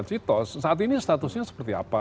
citos saat ini statusnya seperti apa